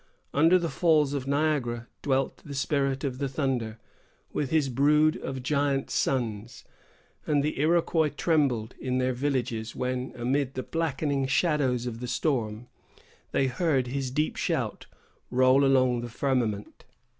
Under the Falls of Niagara dwelt the Spirit of the Thunder, with his brood of giant sons; and the Iroquois trembled in their villages when, amid the blackening shadows of the storm, they heard his deep shout roll along the firmament.